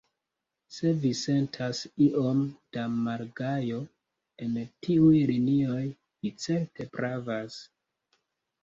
Se vi sentas iom da malgajo en tiuj linioj, vi certe pravas.